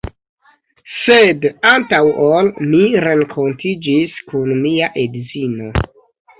Sed antaŭ ol mi renkontiĝis kun mia edzino